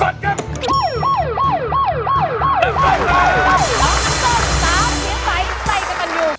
ร้องน้ำส้ม๓ทีไฟใส่กระต่ำอยู่